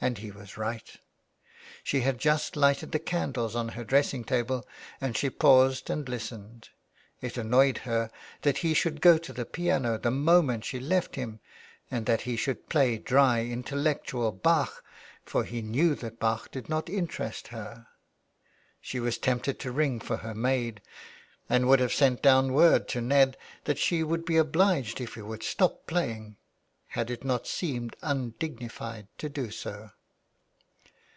And he was right. She had just lighted the candles on her dressing table, and she paused and listened. It annoyed her that he should go to the piano the moment she left him, and that he should play dry intellectual Bach, for he knew that Bach did not interest her. She was tempted to ring for her maid, and would have sent down word to Ned that she would be obliged if he would stop playing, had it not seemed undignified to do so.